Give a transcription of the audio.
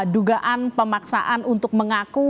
dugaan pemaksaan untuk mengaku